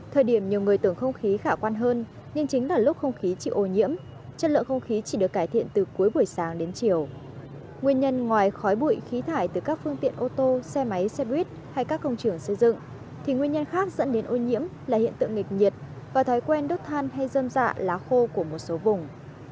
thì nguyên nhân khác dẫn đến ô nhiễm là hiện tượng nghịch nhiệt và thói quen đốt than hay dơm dạ lá khô của một số vùng